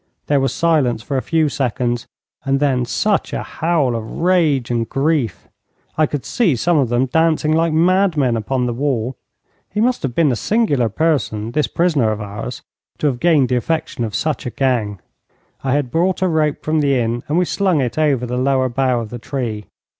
There was silence for a few seconds, and then such a howl of rage and grief! I could see some of them dancing like mad men upon the wall. He must have been a singular person, this prisoner of ours, to have gained the affection of such a gang. I had brought a rope from the inn, and we slung it over the lower bough of the tree.